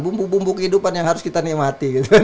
bumbu bumbu kehidupan yang harus kita nikmati